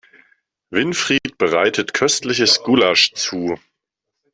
Winfried bereitet köstliches Gulasch zu.